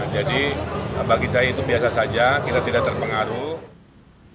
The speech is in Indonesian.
jadi bagi saya itu biasa saja kita tidak terpengaruh